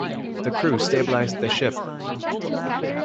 The crew stabilized the ship.